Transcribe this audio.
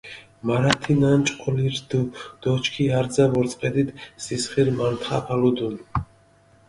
მარა თინა ნჭყოლირი რდჷ დო ჩქი არძა ვორწყედით ზისხირი მართხაფალუდუნ.